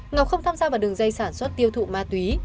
ngọc không tham gia vào đường dây sản xuất tiêu thụ ma túy